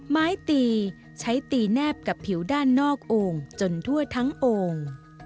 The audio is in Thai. ไม้ตีใช้ตีแนบกับผิวด้านนอกโอ่งจนทั่วทั้งโอ่ง